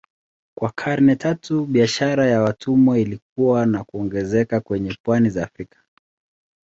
Kwa karne tatu biashara ya watumwa ilikua na kuongezeka kwenye pwani za Afrika.